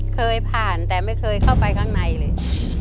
เคยผ่านแต่ไม่เคยเข้าไปข้างในเลย